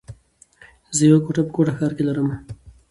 زه يوه کوټه په کوټه ښار کي لره مه